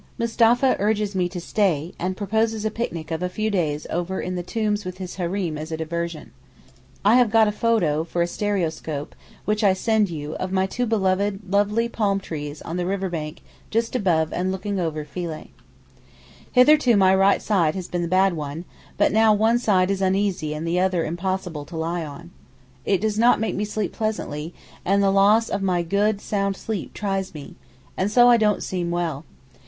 Mustapha urges me to stay, and proposes a picnic of a few days over in the tombs with his Hareem as a diversion. I have got a photo, for a stereoscope, which I send you, of my two beloved, lovely palm trees on the river bank just above and looking over Philæ. Hitherto my right side has been the bad one, but now one side is uneasy and the other impossible to lie on. It does not make one sleep pleasantly, and the loss of my good, sound sleep tries me, and so I don't seem well.